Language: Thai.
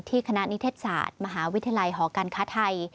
คณะนิเทศศาสตร์มหาวิทยาลัยหอการค้าไทย